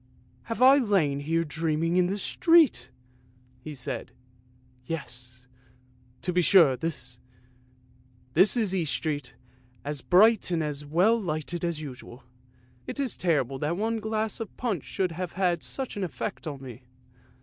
Have I lain here dreaming in the street! " he said. " Yes, to be sure, this is East Street, as bright and well lighted as usual. It is terrible that one glass of punch should have had such an effect on me."